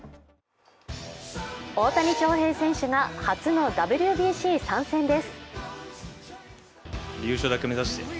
大谷翔平選手が初のＷＢＣ参戦です。